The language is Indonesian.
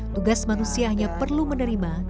tugas manusia hanya perlu menerima